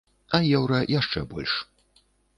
А еўра яшчэ больш.